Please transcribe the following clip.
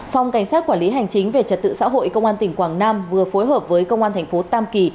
phòng cảnh sát quản lý hành chính về trật tự xã hội công an tỉnh quảng nam vừa phối hợp với công an thành phố tam kỳ